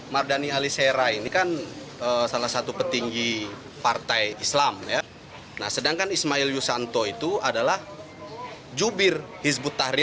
barang bukti yang digunakan untuk memperbatasi